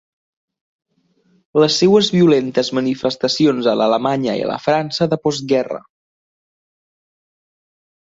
Les seues violentes manifestacions a l'Alemanya i la França de postguerra